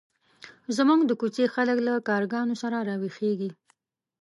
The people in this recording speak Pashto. زموږ د کوڅې خلک له کارګانو سره راویښېږي.